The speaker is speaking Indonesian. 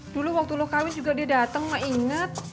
dulu waktu lo kawin juga dia dateng mak inget